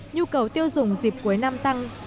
nhu cầu tiêu dùng dịp cuối năm tăng